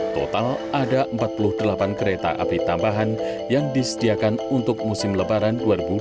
total ada empat puluh delapan kereta api tambahan yang disediakan untuk musim lebaran dua ribu dua puluh